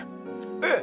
えっ！